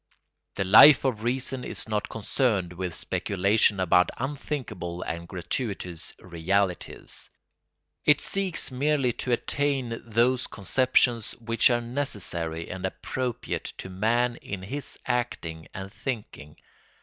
The Life of Reason is not concerned with speculation about unthinkable and gratuitous "realities"; it seeks merely to attain those conceptions which are necessary and appropriate to man in his acting and thinking.